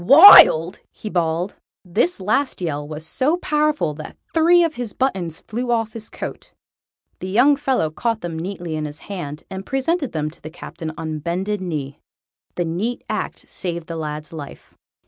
"Wild!!" he bawled. This last yell was so powerful that three of his buttons flew off his coat. The young fellow caught them neatly in his left hand, and presented them to the Captain on bended knee. The neat act saved the lad's life.